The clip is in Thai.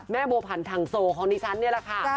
แม่โบฟันทั่งโสของนิสันนี่แหละค่ะ